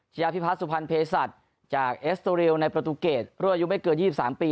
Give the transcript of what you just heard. เจราพิพัทธิ์สุภัณฑ์เพชรจิวรอายุไม่เกินยี่สิบสามปี